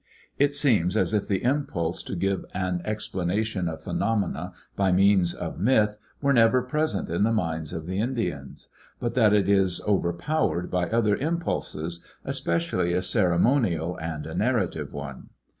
It seems as if the impulse to give an explanation of phenomena by means of myth were ever present in the minds of the Indians, but that it is overpowered by other impulses, especially a ceremonial and a narrative one.